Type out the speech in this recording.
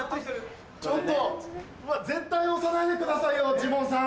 ちょっと絶対押さないでくださいよジモンさん。